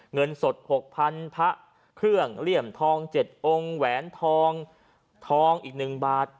เงินสด๖๐๐๐พระเครื่องเหลี่ยมทอง๗องค์แหวนทองทองอีก๑บาท